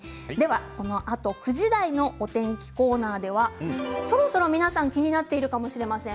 このあと９時台のお天気コーナーではそろそろ皆さん気になっているかもしれません。